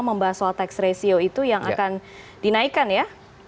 membahas soal tax ratio itu yang akan dinaikkan ya